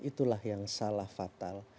itulah yang salah fatal